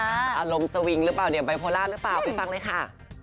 อารมณ์สวิงหรือเปล่าเนี่ยไบโพล่าหรือเปล่าไปฟังเลยค่ะ